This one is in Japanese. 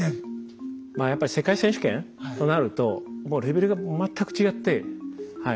まあやっぱり世界選手権となるともうレベルが全く違ってはい。